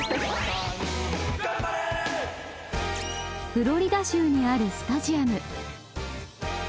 フロリダ州にあるスタジアム